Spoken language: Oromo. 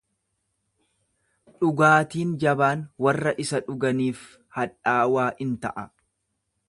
Dhugaatiin jabaan warra isa dhuganiif hadhaawaa in ta'a.